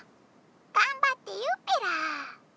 がんばって言うペラ」。